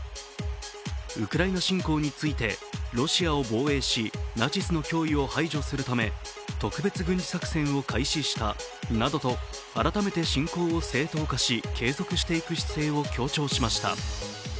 ウクライナ侵攻についてロシアを防衛しナチスの脅威を排除するため特別軍事作戦を開始したなどと改めて侵攻を正当化し、継続していく姿勢を強調しました。